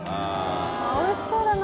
おいしそうだな。